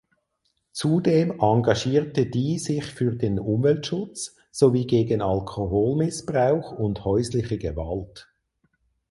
Zudem engagierte die sich für den Umweltschutz sowie gegen Alkoholmissbrauch und häusliche Gewalt.